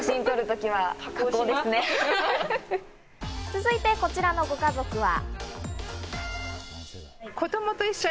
続いて、こちらのご家族は。